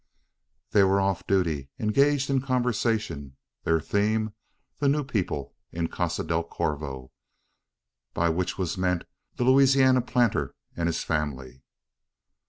They were off duty; engaged in conversation their theme, the "new people" in Casa del Corvo by which was meant the Louisiana planter and his family.